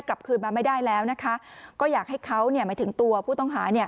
กลับคืนมาไม่ได้แล้วนะคะก็อยากให้เขาหมายถึงตัวผู้ต้องหาเนี่ย